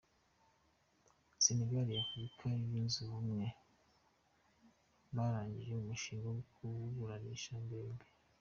Senegale n’Afurika Yunze Ubumwe barangije umushinga wo kuburanisha Mbembe